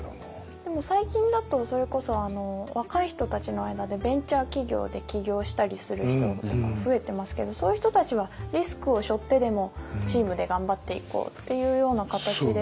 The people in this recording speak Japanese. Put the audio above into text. でも最近だとそれこそ若い人たちの間でベンチャー企業で起業したりする人とか増えてますけどそういう人たちはリスクをしょってでもチームで頑張っていこうっていうような形で。